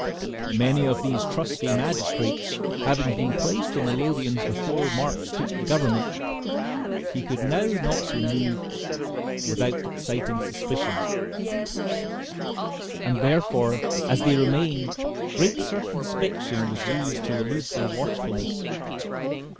Many of these trusty magistrates having been placed in the Lothians, before March took the government, he could not now remove them without exciting suspicion; and therefore, as they remained, great circumspection was used to elude their watchfulness.